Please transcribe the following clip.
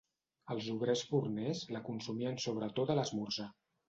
Els obrers forners la consumien sobretot a l'esmorzar.